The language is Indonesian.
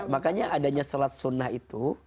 makanya adanya sholat sunnah itu